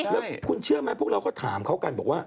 แล้วคุณเชื่อไหมพวกเราก็ถามเขากันบอกว่า